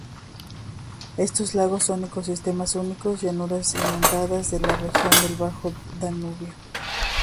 Estos lagos son ecosistemas únicos, llanuras inundadas de la región del Bajo Danubio.